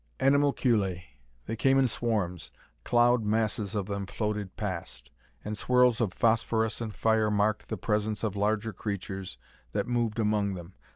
Animalculae. They came in swarms; cloud masses of them floated past; and swirls of phosphorescent fire marked the presence of larger creatures that moved among them.